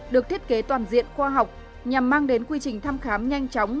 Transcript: được thiết kế toàn diện khoa học nhằm mang đến quy trình thăm khám nhanh chóng